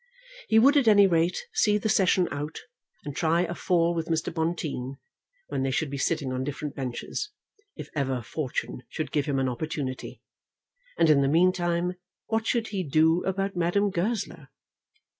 He would at any rate see the session out, and try a fall with Mr. Bonteen when they should be sitting on different benches, if ever fortune should give him an opportunity. And in the meantime, what should he do about Madame Goesler?